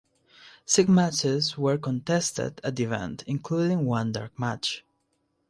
Six matches were contested at the event including one dark match.